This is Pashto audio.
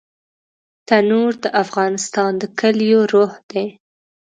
تنور د افغانستان د کليو روح دی